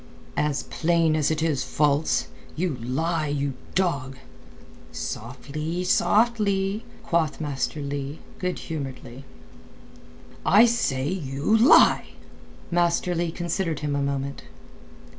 "As plain as it is false. You lie, you dog!" "Softly, softly!" quoth Master Leigh, good humouredly. "I say you lie!" Master Leigh considered him a moment.